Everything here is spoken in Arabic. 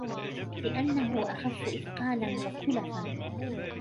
لِأَنَّهُ أَخَفُّ إثْقَالًا وَكُلَفًا